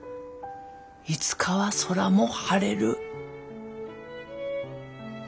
いつかは空も晴れる。